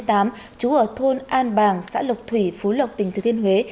trú ở thôn an bàng xã lộc thủy phú lộc tỉnh thừa thiên huế